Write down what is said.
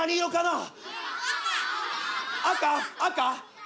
赤？赤？